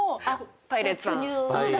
パイレーツさん。